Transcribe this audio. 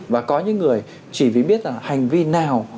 và có những người chỉ vì biết rằng hành vi nào